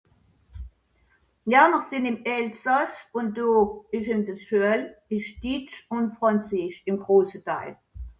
nous sommes en alsace et principalement c,est ou le français ou l'allemend